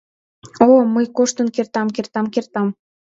О, мый коштын кертам, кертам, кертам!